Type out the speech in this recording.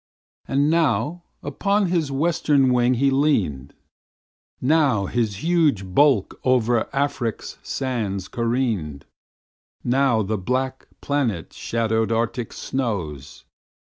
And now upon his western wing he lean'd, Now his huge bulk o'er Afric's sands careen'd, Now the black planet shadow'd Arctic snows.